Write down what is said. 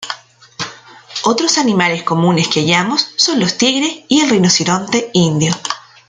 Otros animales comunes que hallamos son los tigres y el rinoceronte indio.